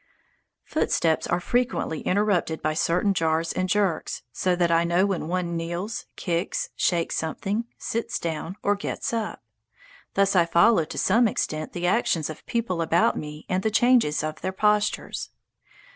Footsteps are frequently interrupted by certain jars and jerks, so that I know when one kneels, kicks, shakes something, sits down, or gets up. Thus I follow to some extent the actions of people about me and the changes of their postures.